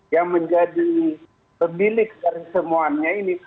yang menjadi pemilik dari semuanya ini